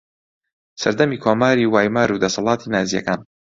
سەردەمی کۆماری وایمار و دەسەڵاتی نازییەکان